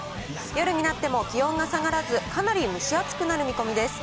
夜になっても気温が下がらず、かなり蒸し暑くなる見込みです。